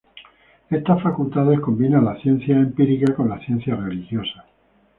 Estas facultades combinan las ciencias empíricas con las ciencias religiosas.